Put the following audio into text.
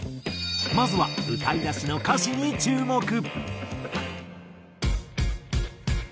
まずは歌い出しの歌詞に注目。